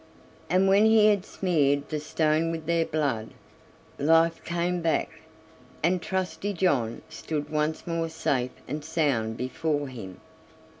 And when he had smeared the stone with their blood, life came back, and Trusty John stood once more safe and sound before him.